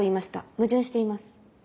矛盾しています。